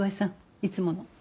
いつもの。